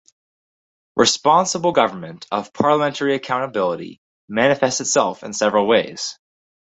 Responsible government of parliamentary accountability manifests itself in several ways.